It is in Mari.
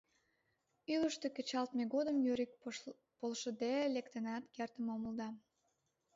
— Ӱвыштӧ кечалтме годым Юрик полшыде лектынат кертын омыл да.